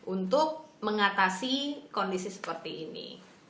untuk mengatasi kondisi seperti ini